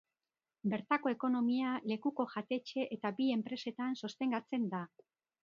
Bertako ekonomia, lekuko jatetxe eta bi enpresetan sostengatzen da.